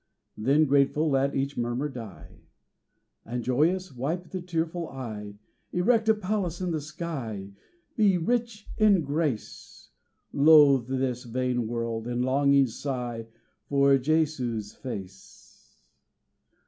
Then grateful let each murmur die, And joyous wipe the tearful eye: Erect a palace in the sky Be rich in grace: Loathe this vain world, and longing sigh For Jesu's face.